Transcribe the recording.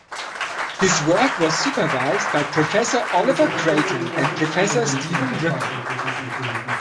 His work was supervised by Professor Oliver Creighton and Professor Stephen Rippon.